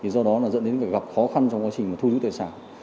do đó dẫn đến việc gặp khó khăn trong quá trình thu giữ tài sản